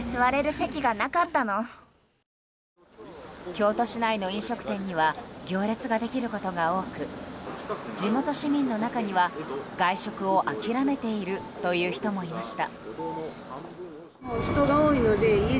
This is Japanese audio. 京都市内の飲食店には行列ができることが多く地元市民の中には外食を諦めているという人もいました。